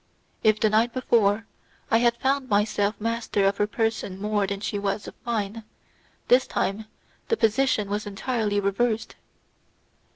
If, the night before, I had found myself master of her person more than she was of mine, this time the position was entirely reversed.